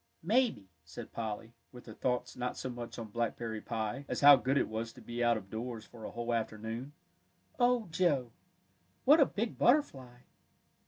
"Maybe," said Polly, with her thoughts not so much on blackberry pie, as how good it was to be out of doors for a whole afternoon. "Oh, Joe, what a big butterfly!"